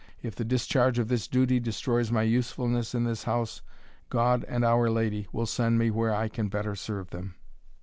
If the discharge of this duty destroys my usefulness in this house, God and Our Lady will send me where I can better serve them."